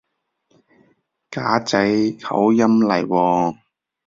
㗎仔口音嚟喎